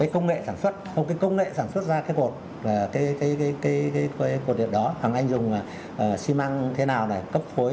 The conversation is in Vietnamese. chúng ta cần phải giám sát bảo trì